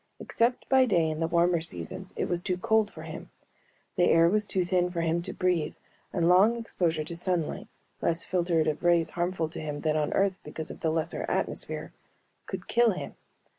Except by day in the warmer seasons it was too cold for him. The air was too thin for him to breathe and long exposure to sunlight less filtered of rays harmful to him than on Earth because of the lesser atmosphere could kill him.